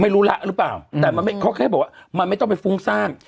ไม่รู้ละหรือเปล่าแต่มันไม่เขาแค่บอกว่ามันไม่ต้องไปฟุ้งสร้าง